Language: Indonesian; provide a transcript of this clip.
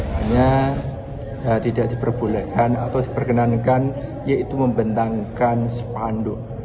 hanya tidak diperbolehkan atau diperkenankan yaitu membentangkan sepanduk